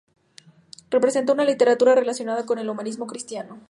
Representó una literatura relacionada con el humanismo cristiano.